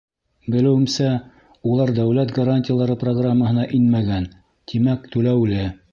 Белеүемсә, улар дәүләт гарантиялары программаһына инмәгән, тимәк, түләүле.